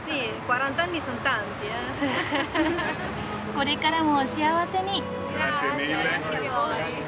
これからもお幸せに。